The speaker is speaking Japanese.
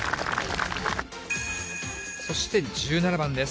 そして１７番です。